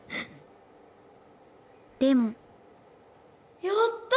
でもやった！